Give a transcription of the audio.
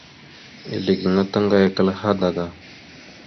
Ezle gaŋa taŋgayakal hadaga.